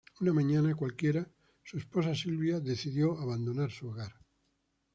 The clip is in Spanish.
Una mañana cualquiera, su esposa Silvia decidió abandonar su hogar.